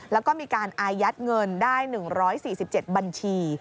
แล้วก็มีการอายัดเงินได้๑๔๗บัญชี